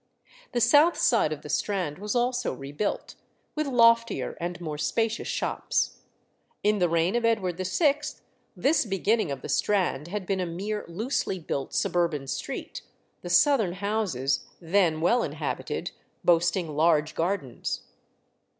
The south side of the Strand was also rebuilt, with loftier and more spacious shops. In the reign of Edward VI. this beginning of the Strand had been a mere loosely built suburban street, the southern houses, then well inhabited, boasting large gardens.